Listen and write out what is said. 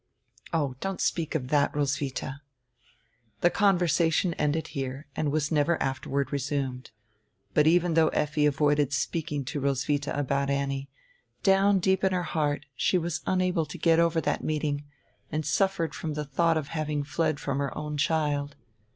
"Oh, don't speak of that, Roswitha." The conversation ended here and was never afterward resumed. But even though Effi avoided speaking to Ros witha ahout Annie, down deep in her heart she was unahle to get over that meeting and suffered from the thought of having fled from her own child.